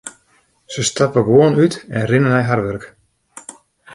Se stappe gewoan út en rinne nei har wurk.